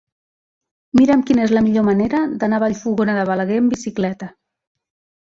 Mira'm quina és la millor manera d'anar a Vallfogona de Balaguer amb bicicleta.